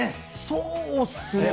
そうっすね。